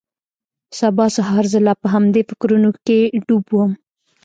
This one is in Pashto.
سبا سهار زه لا په همدې فکرونو کښې ډوب وم.